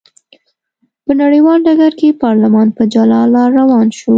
په نړیوال ډګر کې پارلمان په جلا لار روان شو.